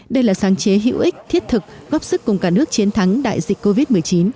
đây là sáng chế hữu ích thiết thực góp sức cùng cả nước chiến thắng đại dịch covid một mươi chín